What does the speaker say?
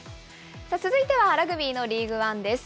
続いてはラグビーのリーグワンです。